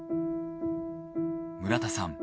村田さん